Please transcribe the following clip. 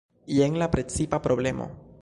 Jen la precipa problemo.